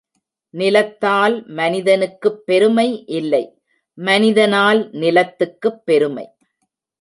நிலத்தால் மனிதனுக்குப் பெருமை இல்லை மனிதனால் நிலத்துக்குப் பெருமை.